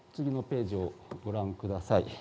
次のページをご覧ください。